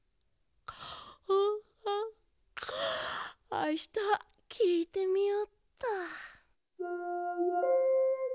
あしたきいてみよっと。